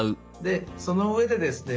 その上でですね